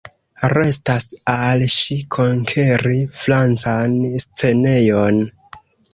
Restas al ŝi konkeri Francan scenejon.